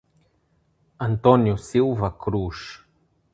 Antônio Silva Cruz